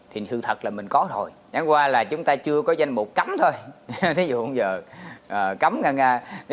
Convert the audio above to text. thì thực sự thật là mình có rồi đáng qua là chúng ta chưa có danh mục cấm thôi thấy dụng giờ cấm ra